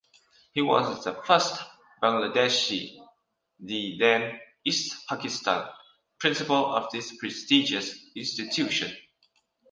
He was the first Bangladeshi (the then East Pakistan) principal of this prestigious institution.